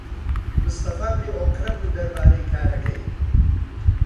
مستەفا بێئۆقرە بوو دەربارەی کارەکەی.